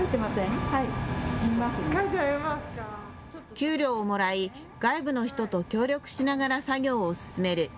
給料をもらい、外部の人と協力しながら作業を進める。